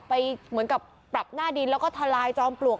เหมือนกับปรับหน้าดินแล้วก็ทลายจอมปลวก